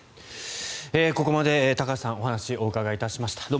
ここまで高橋さんにお話をお伺いいたしました。